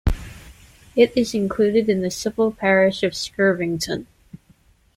It is included in the civil parish of Screveton.